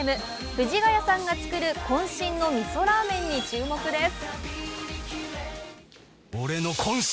藤ヶ谷さんが作る、渾身のみそラーメンに注目です。